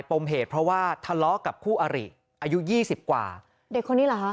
ปมเหตุเพราะว่าทะเลาะกับคู่อริอายุยี่สิบกว่าเด็กคนนี้เหรอฮะ